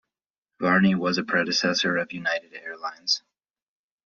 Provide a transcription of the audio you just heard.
Varney was a predecessor of United Air Lines.